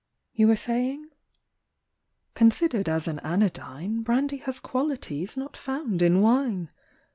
You were saying? —" considered as an anodyne, Brandy has qualities not found in wine.